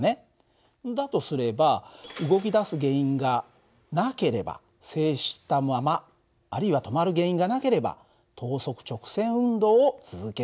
だとすれば動き出す原因がなければ静止したままあるいは止まる原因がなければ等速直線運動を続けるはずだ。